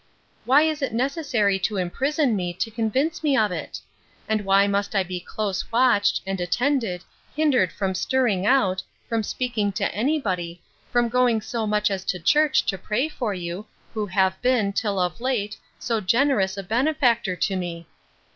Why is it necessary to imprison me, to convince me of it? And why must I be close watched, and attended, hindered from stirring out, from speaking to any body, from going so much as to church to pray for you, who have been, till of late, so generous a benefactor to me?